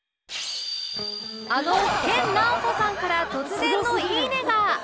あの研ナオコさんから突然の「いいね」が！